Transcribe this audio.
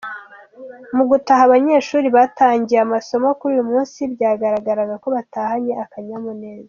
Mu gutaha abanyeshuri batangiye amasomo kuri uyu munsi byagaragaraga ko batahanye akanyamuneza.